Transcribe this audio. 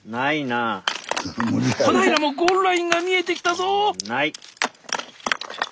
小平もゴールラインが見えてきたぞ！